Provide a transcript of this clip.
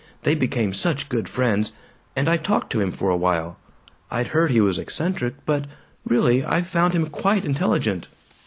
They became such good friends. And I talked to him for a while. I'd heard he was eccentric, but really, I found him quite intelligent.